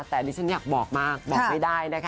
แต่ดิฉันอยากบอกมากบอกไม่ได้นะคะ